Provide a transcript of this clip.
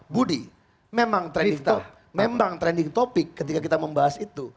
budi memang trending topic ketika kita membahas itu